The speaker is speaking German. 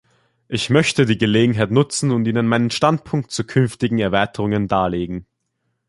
Ich möchte die Gelegenheit nutzen und Ihnen meinen Standpunkt zu künftigen Erweiterungen darlegen.